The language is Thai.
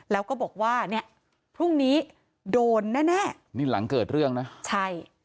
แล้วก็บอกว่าเนี่ยพรุ่งนี้โดนแน่แน่นี่หลังเกิดเรื่องนะใช่